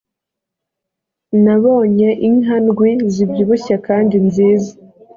nabonye inka ndwi zibyibushye kandi nziza